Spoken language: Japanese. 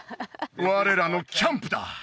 我らのキャンプだ！